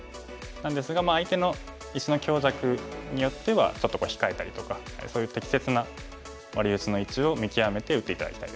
なんですが相手の石の強弱によってはちょっとこう控えたりとかそういう適切なワリウチの位置を見極めて打って頂きたいですね。